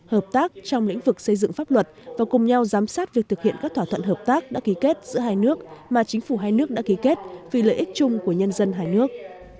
hợp tác trong lĩnh vực xây dựng pháp luật và cùng nhau giám sát việc thực hiện các thỏa thuận hợp tác đã ký kết giữa hai nước mà chính phủ hai nước đã ký kết vì lợi ích chung của nhân dân hai nước